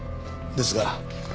ですが。